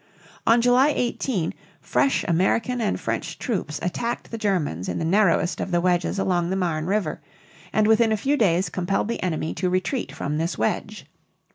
On July 18 fresh American and French troops attacked the Germans in the narrowest of the wedges along the Marne River and within a few days compelled the enemy to retreat from this wedge.